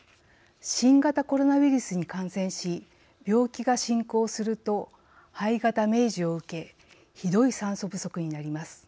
新型コロナウイルスに感染し病気が進行すると肺がダメージを受けひどい酸素不足になります。